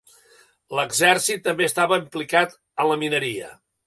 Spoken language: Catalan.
L'exèrcit també estava implicat en la mineria.